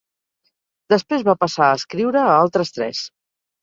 Després va passar a escriure a altres tres.